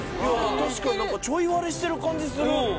確かにちょい割れしてる感じする